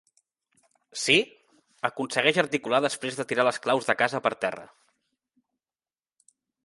Sí? —aconsegueix articular després de tirar les claus de casa per terra.